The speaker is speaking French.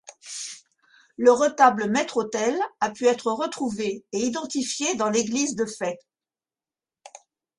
Le retable maître-autel a pu être retrouvé et identifié dans l'église de Fay.